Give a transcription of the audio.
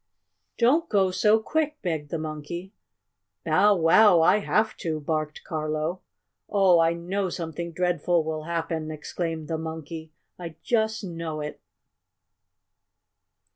"Don't go so quick!" begged the Monkey. "Bow wow! I have to!" barked Carlo. "Oh, I know something dreadful will happen!" exclaimed the Monkey. "I just know it!"